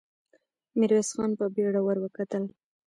ميرويس خان په بېړه ور وکتل.